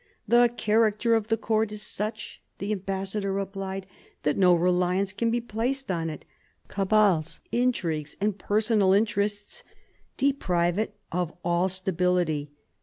"The character of the court is such," the ambassador replied, "that no reliance can be placed in it. Cabals, intrigues, and personal interests deprive it of all stability."